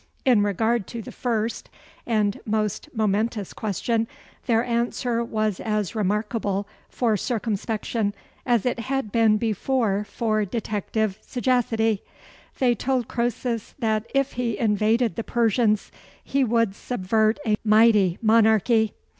In regard to the first and most momentous question, their answer was as remarkable for circumspection as it had been before for detective sagacity: they told Croesus that if he invaded the Persians, he would subvert a mighty monarchy.